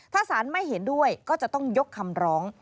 ถ้าสารไม่เห็นด้วยก็จะต้องยกคำร้อง